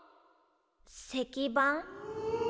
石板？